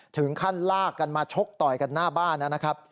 ถึงขั้นลากกันมาชกต่อยกันหน้าบ้านนะครับ